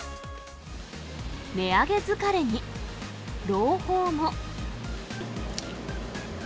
値上げ疲れに朗報も。